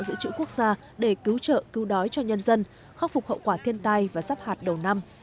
dự trữ quốc gia để cứu trợ cứu đói cho nhân dân khắc phục hậu quả thiên tai và sắp hạt đầu năm